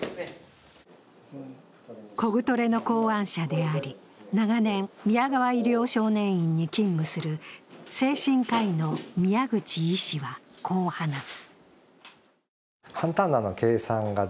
コグトレの考案者であり長年、宮川医療少年院に勤務する精神科医の宮口医師はこう話す。